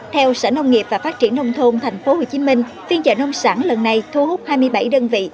theo sở nông nghiệp và phát triển nông thôn tp hcm phiên chợ nông sản lần này thu hút hai mươi bảy đơn vị